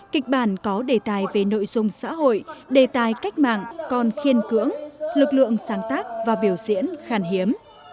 kịch bản có đề tài về nội dung xã hội đề tài cách mạng còn khiên cưỡng lực lượng sáng tác và biểu diễn khàn hiếm